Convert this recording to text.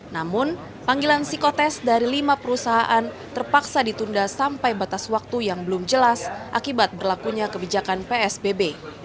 namun panggilan psikotest dari lima perusahaan terpaksa ditunda sampai batas waktu yang belum jelas akibat berlakunya kebijakan psbb